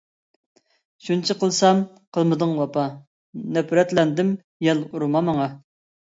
شۇنچە قىلسام قىلمىدىڭ ۋاپا، نەپرەتلەندىم يال ئۇرما ماڭا.